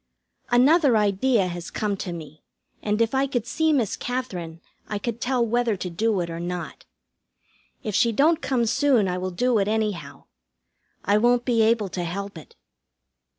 Another idea has come to me, and if I could see Miss Katherine I could tell whether to do it or not. If she don't come soon I will do it, anyhow. I won't be able to help it.